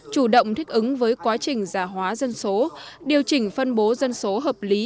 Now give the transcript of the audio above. chủ động thích ứng với quá trình giả hóa dân số điều chỉnh phân bố dân số hợp lý